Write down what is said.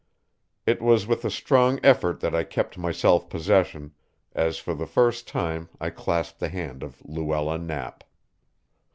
It was with a strong effort that I kept my self possession, as for the first time I clasped the hand of Luella Knapp.